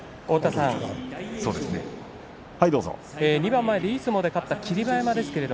２番前、いい相撲で勝った霧馬山です。